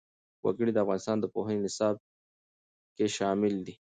وګړي د افغانستان د پوهنې نصاب کې شامل دي.